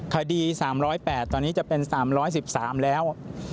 คดี๓๐๘ตอนนี้จะเป็น๓๑๓แล้ว